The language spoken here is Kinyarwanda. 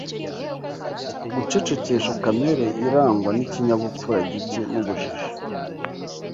gucecekesha kamere irangwa n’ikinyabupfura gike n’ubujiji.